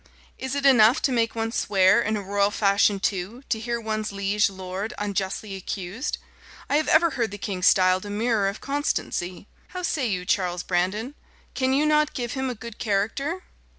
"It is enough to make one swear, and in a royal fashion too, to hear one's liege lord unjustly accused. I have ever heard the king styled a mirror of constancy. How say you, Charles Brandon? can you not give him a good character?"